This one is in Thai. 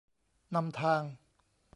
นำทาง